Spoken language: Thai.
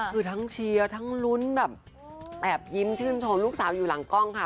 คือทั้งเชียร์ทั้งลุ้นแบบแอบยิ้มชื่นชมลูกสาวอยู่หลังกล้องค่ะ